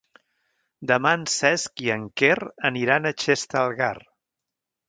Demà en Cesc i en Quer aniran a Xestalgar.